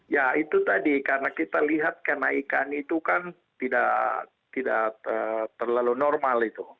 ya itu tadi karena kita lihat kenaikan itu kan tidak terlalu normal itu